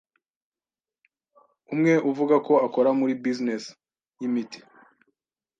Umwe uvuga ko akora muri 'business' y'imiti